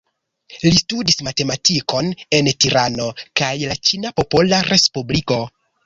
Li studis matematikon en Tirano kaj la Ĉina Popola Respubliko.